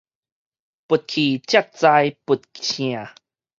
佛去才知佛聖